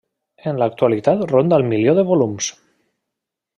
En l'actualitat ronda el milió de volums.